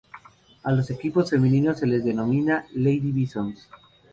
A los equipos femeninos se les denomina "Lady Bisons".